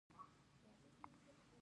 دا ځل فریادونه ډېر زیات شول په زارۍ کې.